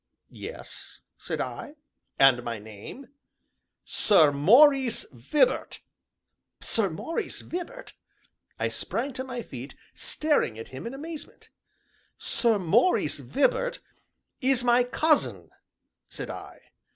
"Yes," said I, "and my name?" "Sir Maurice Vibart!" "Sir Maurice Vibart?" I sprang to my feet, staring at him in amazement. "Sir Maurice Vibart is my cousin," said I.